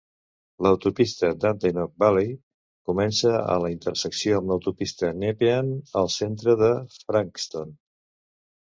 L'autopista Dandenong Valley comença a la intersecció amb l'autopista Nepean, al centre de Frankston.